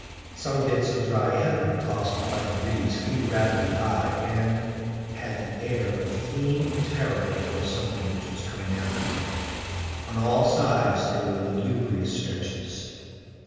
Some bits of dry heather, tossed by the breeze, flew rapidly by, and had the air of fleeing in terror before something which was coming after. On all sides there were lugubrious stretches.